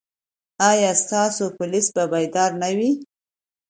ایا ستاسو پولیس به بیدار نه وي؟